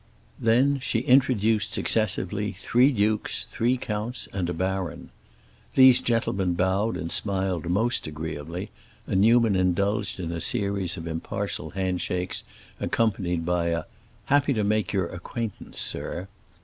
Then she introduced successively three dukes, three counts, and a baron. These gentlemen bowed and smiled most agreeably, and Newman indulged in a series of impartial hand shakes, accompanied by a "Happy to make your acquaintance, sir."